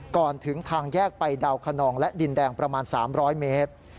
ก่อนถึงทางแยกไปดาวคนนองและดินแดงประมาณ๓๐๐เมตร